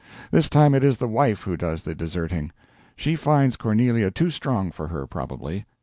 This time it is the wife who does the deserting. She finds Cornelia too strong for her, probably.